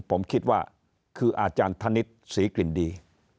ผมคิดว่าคืออาจารณ์ทนิจศีลกลิ่นดี